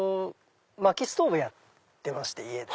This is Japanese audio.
まきストーブやってまして家で。